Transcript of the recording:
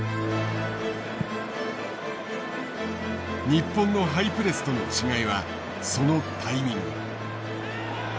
日本のハイプレスとの違いはそのタイミング。